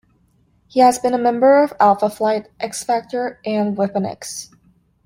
He has been a member of Alpha Flight, X-Factor, and Weapon X.